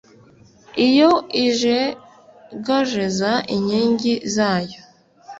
iyo ijegajeza inkingi zayo